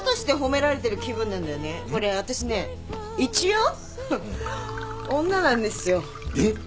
これ私ね一応女なんですよ。えっ！？